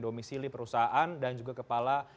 domisili perusahaan dan juga kepala